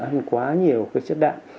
ăn quá nhiều cái chất đạn